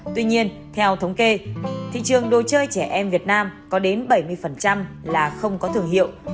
tuy nhiên theo thống kê thị trường đồ chơi trẻ em việt nam có đến bảy mươi là không có thương hiệu